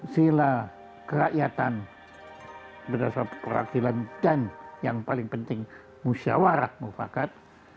sila kerakyatan berdasar keraktilan dan yang paling penting musyawarah mufakat